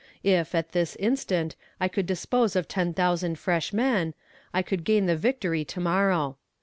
If, at this instant, I could dispose of ten thousand fresh men, I could gain the victory to morrow.